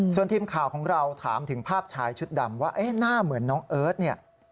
ส่วนทีมข่าวของเราถามถึงภาพชายชุดดำว่าหน้าเหมือนน้องเอิร์ทเนี่ย